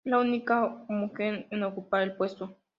Es la única mujer en ocupar el puesto.